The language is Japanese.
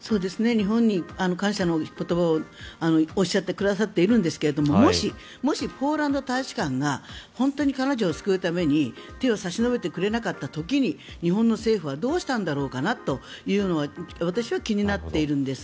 日本に感謝の言葉をおっしゃってくださっているんですがもし、ポーランド大使館が本当に彼女を救うために手を差し伸べてくれなかった時に日本の政府はどうしたんだろうかなと私は気になっているんです。